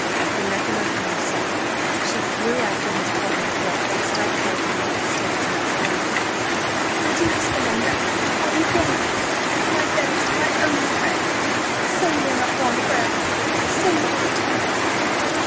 Then recollecting herself, she flew after Miss Portman, abruptly stopped her at the head of the stairs, and exclaimed, "My dearest Belinda, are you gone? My best, my only friend! Say you are not gone for ever! Say you will return!"